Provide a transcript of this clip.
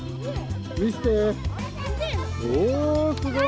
見せて、おお、すごい。